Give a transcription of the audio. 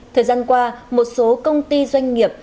thời gian qua một số công ty doanh nghiệp